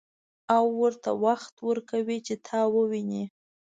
او ورته وخت ورکوي چې تا وويني.